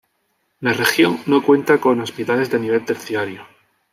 La región no cuenta con hospitales de nivel terciario.